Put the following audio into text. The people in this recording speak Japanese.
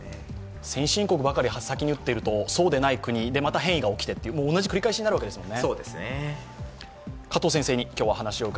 先進国ばかり先に打っているとそうではない国でまた変異が起きてと、同じ繰り返しになりますからね。